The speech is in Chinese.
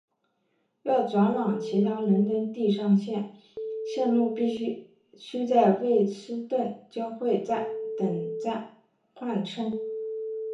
要转往其他伦敦地上线路须在卫斯顿交汇站等站换乘。